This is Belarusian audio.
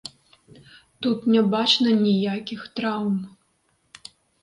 Тут не бачна ніякіх траўм.